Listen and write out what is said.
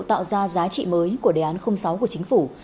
tạo ra giá trị mới của đề án sáu của chính phủ